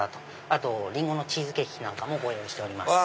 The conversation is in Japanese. あとりんごのチーズケーキもご用意しております。